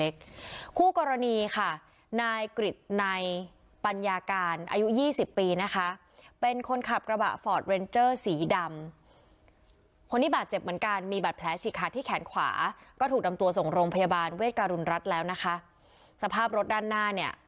คนนี้บาดเจ็บเหมือนกันมีบัตรแผลฉีกขาดที่แขนขวาก็ถูกนำตัวส่งโรงพยาบาลเวทการุณรัฐแล้วนะคะสภาพรถด้านหน้าเนี่ย